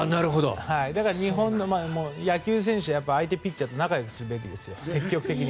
だから日本の選手は相手ピッチャーと仲よくするべきです、積極的に。